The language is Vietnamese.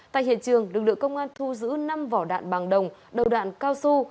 tại hiện trường lực lượng công an thu giữ năm vỏ đạn bằng đồng đầu đạn cao su